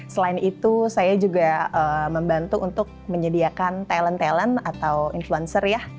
selain itu saya juga membantu untuk menyediakan talent talent atau influencer ya